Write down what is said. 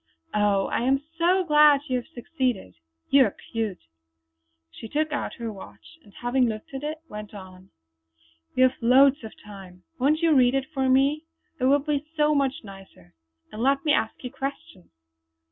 Oh, I am so glad you have succeeded. You are cute!" She took out her watch, and having looked at it, went on: "We have loads of time. Won't you read it for me? It will be so much nicer! And let me ask you questions."